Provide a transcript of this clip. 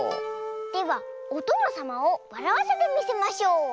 ではおとのさまをわらわせてみせましょう！